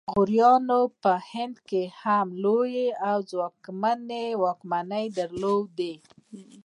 غوریانو په هند کې هم لویې او ځواکمنې واکمنۍ درلودې